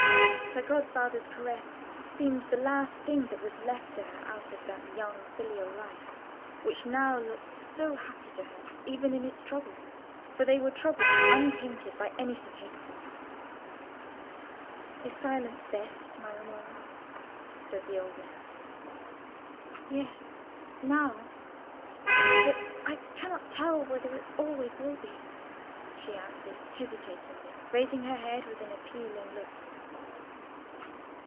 Her godfather's caress seemed the last thing that was left to her out of that young filial life, which now looked so happy to her even in its troubles, for they were troubles untainted by anything hateful. "Is silence best, my Romola?" said the old man. "Yes, now; but I cannot tell whether it always will be," she answered, hesitatingly, raising her head with an appealing look.